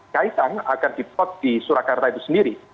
kaitan akan diplot di surakarta itu sendiri